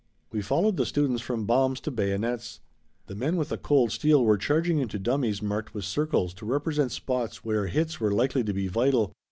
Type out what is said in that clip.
We followed the students from bombs to bayonets. The men with the cold steel were charging into dummies marked with circles to represent spots where hits were likely to be vital.